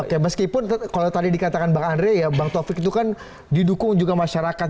oke meskipun kalau tadi dikatakan bang andre ya bang taufik itu kan didukung juga masyarakat